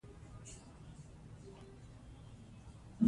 د غریبانو قرباني به بنده سوې وي.